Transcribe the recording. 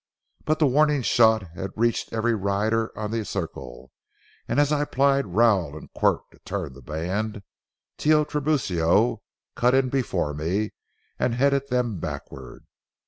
But the warning shot had reached every rider on the circle, and as I plied rowel and quirt to turn the band, Tio Tiburcio cut in before me and headed them backward.